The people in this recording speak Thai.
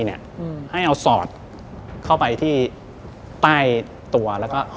ให้เอาสอดเข้าไปที่ใต้ตัวแล้วก็